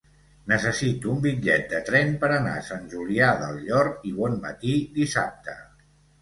Necessito un bitllet de tren per anar a Sant Julià del Llor i Bonmatí dissabte.